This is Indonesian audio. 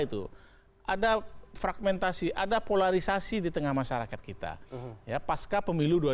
itu ada fragmentasi ada polarisasi di tengah masyarakat kita ya pasca pemilu dua ribu sembilan belas